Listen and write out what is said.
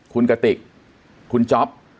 คุณกติกคุณจ๊อป